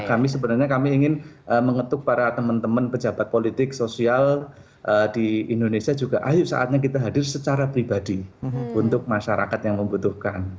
kami sebenarnya kami ingin mengetuk para teman teman pejabat politik sosial di indonesia juga ayo saatnya kita hadir secara pribadi untuk masyarakat yang membutuhkan